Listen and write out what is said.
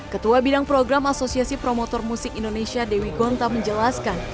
ketua bidang program asosiasi promotor musik indonesia dewi gonta menjelaskan